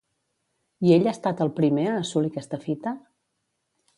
I ell ha estat el primer a assolir aquesta fita?